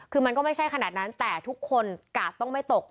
คือมันก็ไม่ใช่ขนาดนั้นแต่ทุกคนกาดต้องไม่ตก